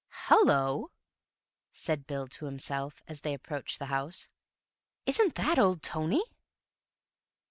"Hallo," said Bill to himself, as they approached the house, "isn't that old Tony?"